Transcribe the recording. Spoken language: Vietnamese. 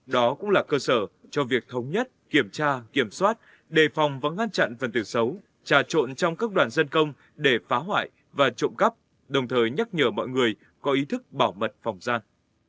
đó cũng là cơ sở cho việc thống nhất kiểm tra kiểm soát đề phòng và ngăn chặn phần tử xấu trà trộn trong các đoàn dân công để phá hoại và trộm cắp đồng thời nhắc nhở mọi người có ý thức bảo mật phòng gian